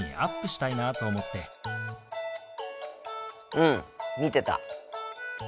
うん見てた。